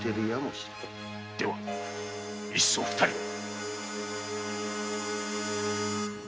ではいっそ二人を。